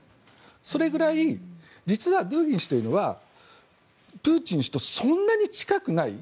それぐらい実はドゥーギン氏というのはプーチン氏とそんなに近くない。